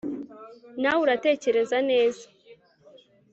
nawe uratekereza neza